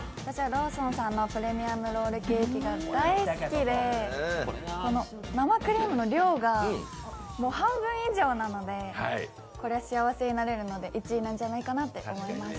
ローソンさんのプレミアムロールケーキが大好きで生クリームの量が半分以上なのでこれ、幸せになれるので１位なんじゃないかと思います。